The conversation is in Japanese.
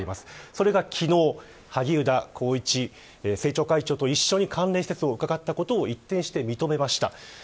それが昨日萩生田光一政調会長と一緒に関連施設を伺ったことを一転して認めました。